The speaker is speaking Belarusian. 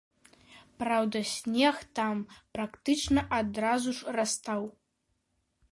Праўда, снег там практычна адразу ж растаў.